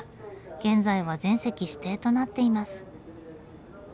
現在は全席指定となっています。